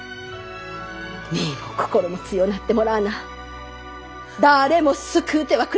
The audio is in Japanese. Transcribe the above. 身も心も強なってもらわな誰も救うてはくれませんえ。